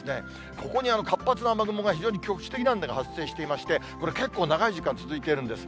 ここに活発な雨雲が、非常に局地的なんですが、発生していまして、これ、結構長い時間続いているんです。